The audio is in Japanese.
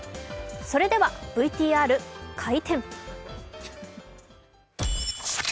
それではＶＴＲ回転！